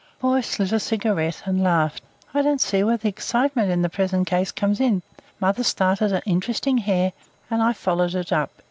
Boyce lit a cigarette and laughed. "I don't see where the excitement in the present case comes in. Mother started an interesting hare, and I followed it up.